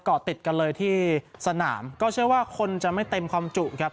เกาะติดกันเลยที่สนามก็เชื่อว่าคนจะไม่เต็มความจุครับ